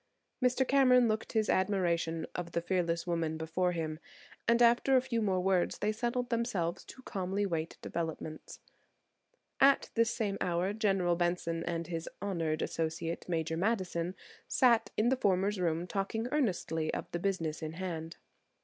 Mr. Cameron looked his admiration of the fearless woman before him, and after a few more words they settled themselves to calmly wait developments. At this same hour General Benson and his honored associate, Major Madison, sat in the former's room talking earnestly of the business in hand.